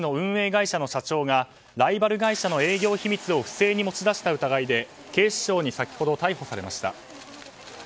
会社の社長がライバル会社の営業秘密を不正に持ち出した疑いで警視庁に先ほど逮捕されました。